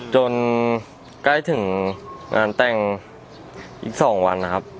จนใกล้ถึงงานแต่งอีก๒วันนะครับ